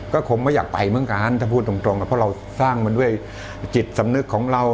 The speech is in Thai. ก็คงไม่อยากไปเหมือนกันถ้าพูดตรงเพราะเราสร้างมันด้วยจิตสำนึกของเรา